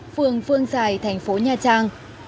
phường phương xài thành phố nha trang